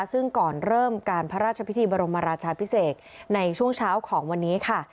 ซึ่งก่อนเริ่มการพระราชพิธีบรมราชาพิเศษในช่วงเช้าของวันนี้ค่ะ